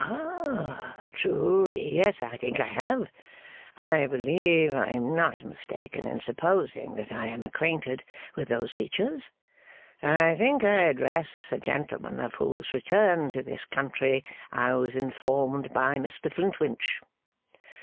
Ah! truly, yes, I think I have! I believe I am not mistaken in supposing that I am acquainted with those features? I think I address a gentleman of whose return to this country I was informed by Mr Flintwinch?